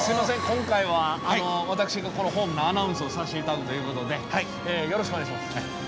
今回は私がこのホームのアナウンスをさして頂くということでよろしくお願いします。